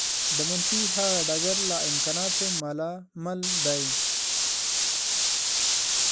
د منفي هغه ډګر له امکاناتو مالامال دی.